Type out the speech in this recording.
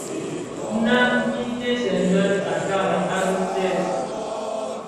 Nnë nyi dhesen le tyantyaran a dhi tèèzi.